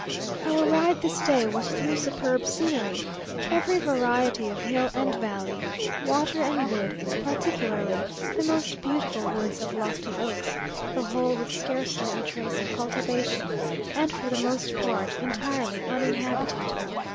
Our ride this day was through superb scenery, every variety of hill and valley, water and wood, particularly the most beautiful woods of lofty oaks, the whole with scarcely a trace of cultivation, and for the most part entirely uninhabited.